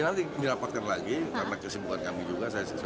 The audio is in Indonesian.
nanti dilaporkan lagi karena kesibukan kami juga